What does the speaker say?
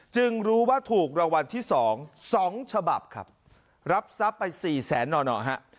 รู้ว่าถูกรางวัลที่สองสองฉบับครับรับทรัพย์ไปสี่แสนหน่อนอฮะ